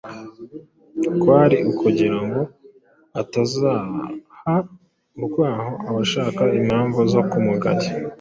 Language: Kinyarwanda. Kwari ukugira ngo atazaha urwaho “abashaka impamvu” zo kumugaya.